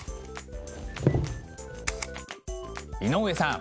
井上さん。